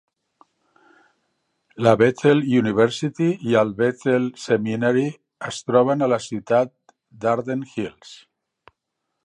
La Bethel University y el Bethel Seminary es troben a la ciutat d'Arden Hills.